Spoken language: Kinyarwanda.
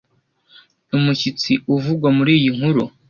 Umushyitsi uvugwa muri iyi nkuru